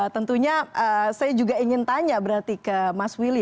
tentunya saya juga ingin tanya berarti ke mas willy